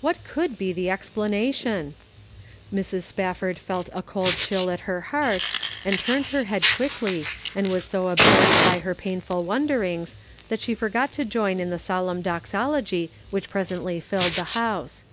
What could be the explanation ? Mrs. Spafford felt a cold chill at her heart, and turned her head quickly, and was so absorbed by her painful wonderings that she forgot to join in the solemn doxology which presently filled the house.